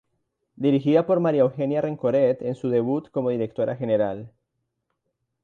Dirigida por María Eugenia Rencoret en su debut como directora general.